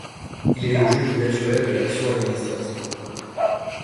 Il est le juge naturel de l’action administrative.